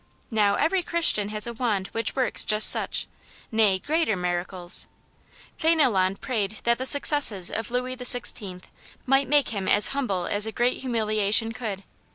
Now, every Christian has a wand which works just such, nay, greater, miracles. Fdndlon prayed that the successes of Louis XIV. might make him as humble as a great humiliation could.